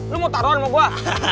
lu mau taruhan sama gue